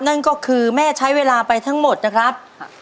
นั่นก็คือแม่ใช้เวลาไปทั้งหมดนะครับ